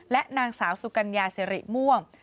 และนางสาวสุกัญญาสิริม่วง